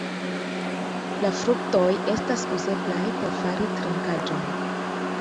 La fruktoj estas uzeblaj por fari trinkaĵon.